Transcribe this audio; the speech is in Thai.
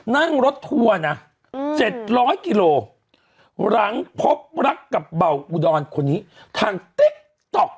นั่งรถทัวร์นะ๗๐๐กิโลหลังพบรักกับเบาอุดรคนนี้ทางติ๊กต๊อก